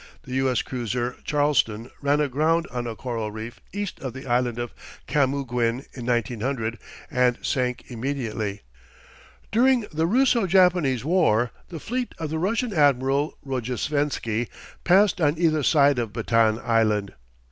The U. S. cruiser Charleston ran aground on a coral reef east of the island of Camaguin in 1900 and sank immediately. During the Russo Japanese war the fleet of the Russian Admiral Rojesvenski passed on either side of Batan Island.